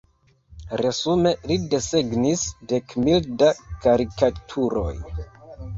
Resume li desegnis dek mil da karikaturoj.